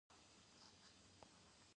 نه د بل خبره اوري او نه دا بصيرت په كي وي